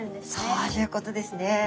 そういうことですね！